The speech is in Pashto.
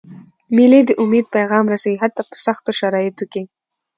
مېلې د امید پیغام رسوي، حتی په سختو شرایطو کي.